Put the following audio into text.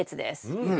うん。